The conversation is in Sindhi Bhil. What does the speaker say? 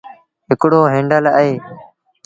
هڪڙو هينڊل اهي۔